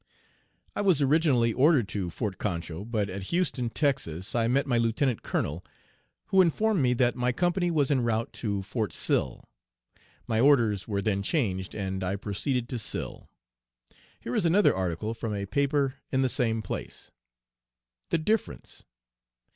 I was originally ordered to Fort Concho, but at Houston, Texas I met my lieutenant colonel, who informed me that My company was en route to Fort Sill. My orders were then changed, and I proceeded to Sill. Here is another article from a paper in the same place: THE DIFFERENCE.